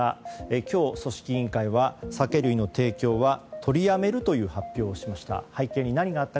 今日、組織委員会は酒類の提供は取りやめるという発表をしました。